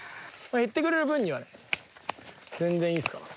減ってくれる分には全然いいっすから。